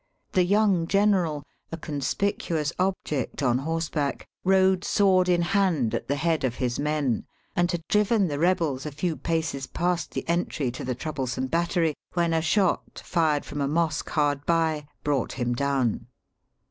The young general, a conspicuous object on horseback, rode sword in hand at the head of his men, and had VOL. u. 39 Digitized by VjOOQIC 306 EAST BY WEST. driven the rebels a few paces past the entry to the troublesome battery when a shot, fired from a mosque hard by, brought him down.